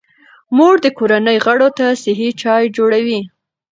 مور د کورنۍ غړو ته صحي چای جوړوي.